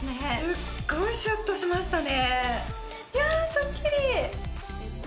すっごいシュッとしましたねやあスッキリ